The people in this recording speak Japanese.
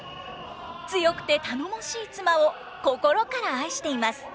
強くて頼もしい妻を心から愛しています。